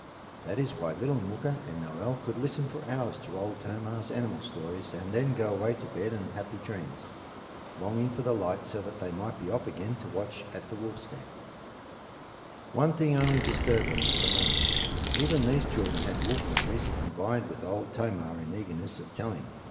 That is why little Mooka and Noel could listen for hours to Old Tomah's animal stories and then go away to bed and happy dreams, longing for the light so that they might be off again to watch at the wolf's den. One thing only disturbed them for a moment. Even these children had wolf memories and vied with Old Tomah in eagerness of telling.